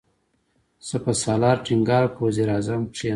سپهسالار ټينګار وکړ، وزير اعظم کېناست.